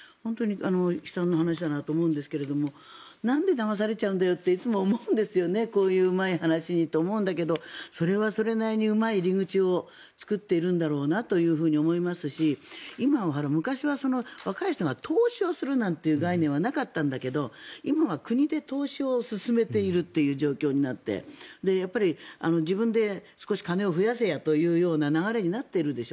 悲惨な話だなと思うんですがなんでだまされちゃうんだよといつも思うんですけどそれはそれなりにうまい入り口を作ってるんだろうなと思いますし、昔は若い人が投資をするなんていう概念はなかったんだけど今は国で投資を進めているという状況になって自分で少し金を増やせやという流れになっているでしょ。